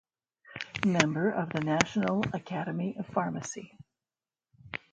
Member of the National Academy of Pharmacy.